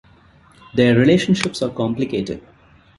Their relationships are complicated.